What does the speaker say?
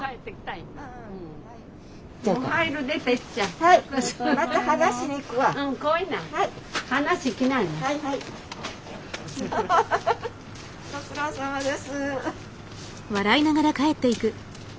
ご苦労さまです。